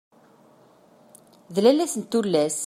D lalla-s n tullas!